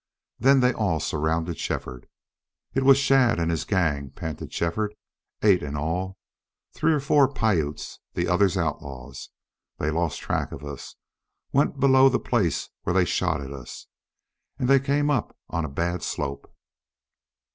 Then they all surrounded Shefford. "It was Shadd and his gang," panted Shefford. "Eight in all. Three or four Piutes the others outlaws. They lost track of us. Went below the place where they shot at us. And they came up on a bad slope."